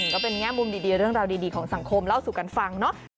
ก็เป็นแง่มุมดีเรื่องราวดีของสังคมเล่าสู่กันฟังเนาะ